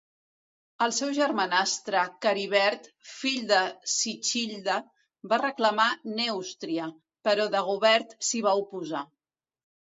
El seu germanastre Caribert, fill de Sichilda, va reclamar Nèustria, però Dagobert s'hi va oposar.